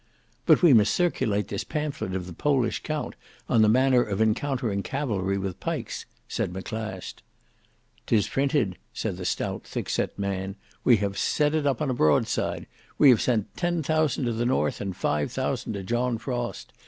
"But we must circulate this pamphlet of the Polish Count on the manner of encountering cavalry with pikes," said Maclast. "'Tis printed," said the stout thickset man; "we have set it up on a broadside. We have sent ten thousand to the north and five thousand to John Frost.